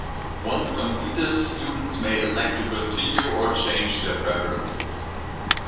Once completed, students may elect to continue or change their preferences.